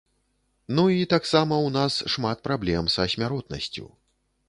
Ну і таксама у нас шмат праблем са смяротнасцю.